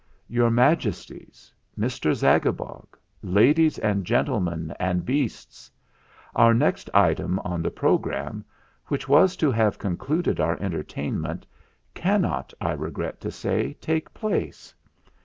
"Your Majesties, Mr. Zagabog, ladies and gentlemen and beasts, our next item on the programme, which was to have concluded our entertainment, cannot, I regret to say, take place.